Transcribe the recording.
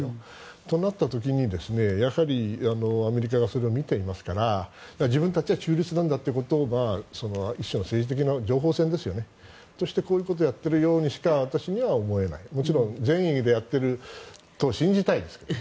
となった時にアメリカがそれを見ていますから自分たちは中立だということが一種の政治的な情報戦としてこういうことをやっているようにしかもちろん善意でやっていると信じたいですけどね。